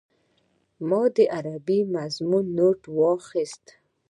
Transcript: ما د عربي مضمون نوټ راواخيست.